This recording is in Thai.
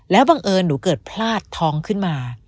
บังเอิญหนูเกิดพลาดท้องขึ้นมา